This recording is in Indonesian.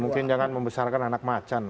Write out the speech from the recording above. mungkin jangan membesarkan anak macan